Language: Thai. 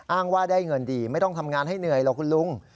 อ้างว่าได้เงินดีไม่ต้องทำงานให้เหนื่อยหรอกคุณลุง